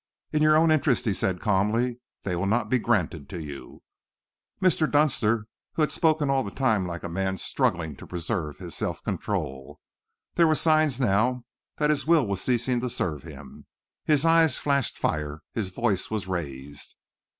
"In your own interests," he said calmly, "they will not be granted to you." Mr. Dunster had spoken all the time like a man struggling to preserve his self control. There were signs now that his will was ceasing to serve him. His eyes flashed fire, his voice was raised.